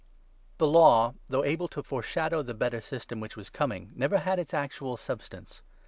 The Law, though able to foreshadow the Better i *•« *«ard« System which was coming, never had its actual sacrmco*. substance.